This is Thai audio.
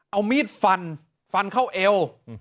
เอามีดฟันฟันเข้าเอว